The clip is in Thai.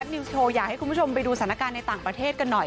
นิวส์โชว์อยากให้คุณผู้ชมไปดูสถานการณ์ในต่างประเทศกันหน่อย